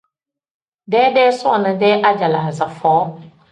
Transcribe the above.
Deedee soona-dee ajalaaza foo.